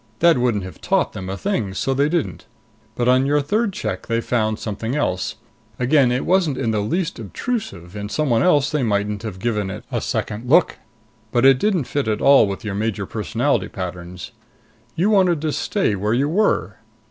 That wouldn't have taught them a thing, so they didn't. But on your third check they found something else. Again it wasn't in the least obtrusive; in someone else they mightn't have given it a second look. But it didn't fit at all with your major personality patterns. You wanted to stay where you were."